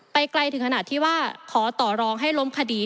ไกลถึงขนาดที่ว่าขอต่อรองให้ล้มคดี